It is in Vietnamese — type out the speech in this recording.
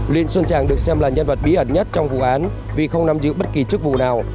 liên xuân tràng được xem là nhân vật bí ẩn nhất trong vụ án vì không nắm giữ bất kỳ chức vụ nào